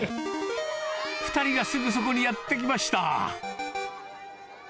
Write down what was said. ２人がすぐそこにやって来ました。